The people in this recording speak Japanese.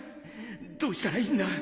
どうしたらいいんだ。